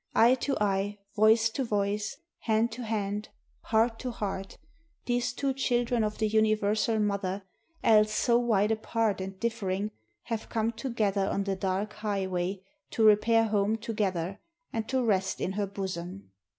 Eye to eye, voice to voice, hand to hand, heart to heart, these two chil dren of the Universal Mother, else so wide apart and differing, have come together on the dark highway, to repair home together and to rest in her bosom.